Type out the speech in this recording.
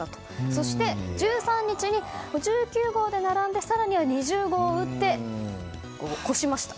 そして、１３日に１９号で並んで更には２０号を打って越しました。